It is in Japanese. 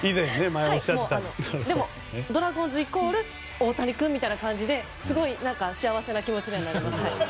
でも、ドラゴンズイコール大谷君みたいな感じで、すごい幸せな気持ちにはなります。